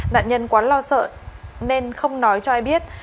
nạn nhân quá lo sợ nên không nói cho ai biết